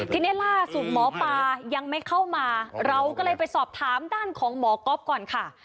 ทีนี้ล่าสุดหมอปลายังไม่เข้ามาเราก็เลยไปสอบถามด้านของหมอก๊อฟก่อนค่ะ